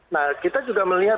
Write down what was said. nah kita juga melihat